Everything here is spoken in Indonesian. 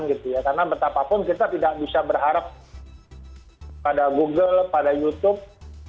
karena betapapun kita tidak bisa berharap pada google pada youtube